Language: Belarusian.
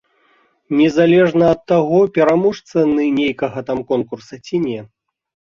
Незалежна ад таго, пераможцы яны нейкага там конкурса ці не.